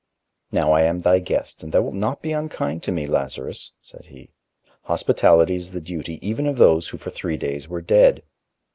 "Now I am thy guest, and thou wilt not be unkind to me, Lazarus!" said he. "Hospitality is the duty even of those who for three days were dead.